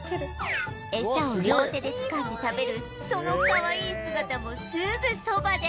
餌を両手でつかんで食べるそのかわいい姿もすぐそばで